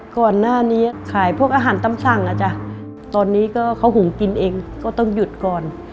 ก่อนหน้านี้ขายพวกอาหารตำสั่งอ่ะจ๊ะตอนนี้ก็เขาหุงกินเองก็ต้องหยุดก่อน